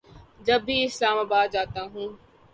جب بھی اسلام آباد جاتا ہوں